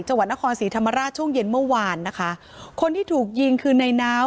จังหวัดนครศรีธรรมราชช่วงเย็นเมื่อวานนะคะคนที่ถูกยิงคือในน้าว